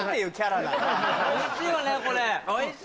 おいしいよねこれ。